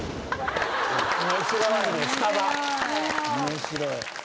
面白い。